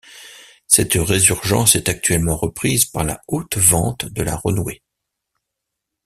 Cette résurgence est actuellement reprise par la Haute Vente de la Renouée.